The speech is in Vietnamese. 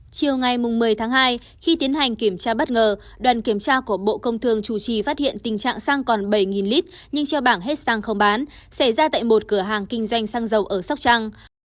chiều ngày một mươi tháng hai khi tiến hành kiểm tra bất ngờ đoàn kiểm tra của bộ công thương chủ trì phát hiện tình trạng xăng còn bảy lít nhưng treo bảng hết xăng không bán xảy ra tại một cửa hàng kinh doanh xăng dầu ở sóc trăng